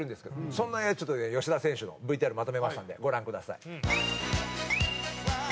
そんなちょっとね吉田選手のＶＴＲまとめましたんでご覧ください。